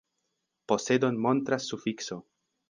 Posedon montras sufikso.